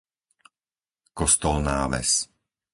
Kostolná Ves